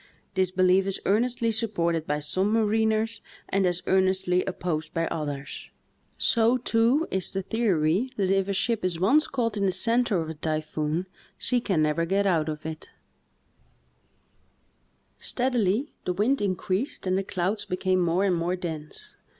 This belief is earnestly supported by some mariners and as earnestly opposed by others. So, too, is the theory that if a ship is once caught in the center of a typhoon she can never get out of it, 144 THE TALKING HANDKERCHIEF. Steadily the wind increased and the clouds became more and more dense.